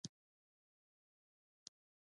هر څه تالا ترغه شوي وو.